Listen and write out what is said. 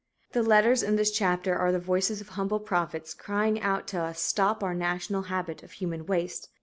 The letters in this chapter are the voices of humble prophets crying out to us stop our national habit of human waste.